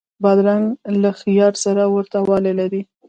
بادرنګ له خیار سره ورته والی لري.